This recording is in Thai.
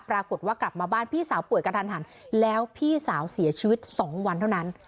ปรากฏว่ากลับมาบ้านพี่สาวป่วยกระทันแล้วพี่สาวเสียชีวิต๒วันเท่านั้น